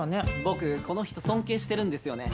僕この人尊敬してるんですよね。